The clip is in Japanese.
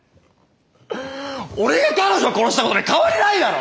俺が彼女殺したことに変わりないだろ！